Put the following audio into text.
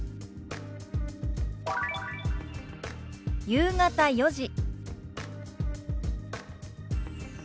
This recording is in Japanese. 「夕方４時」。